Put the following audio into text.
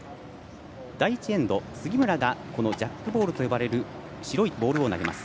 第１エンド、杉村がジャックボールと呼ばれる白いボールを投げます。